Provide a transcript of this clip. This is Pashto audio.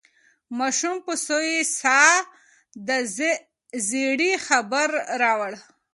ماشوم په سوې ساه د زېري خبر راوړ.